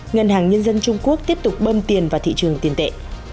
ngân hàng nhân dân trung quốc tiếp tục bơm tiền vào thị trường tiền tệ